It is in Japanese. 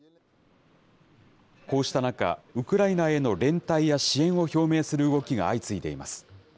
こうした中、ウクライナへの連帯や支援を表明する動きが相次いでいます。